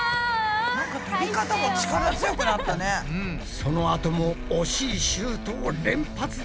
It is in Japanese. そのあとも惜しいシュートを連発だ。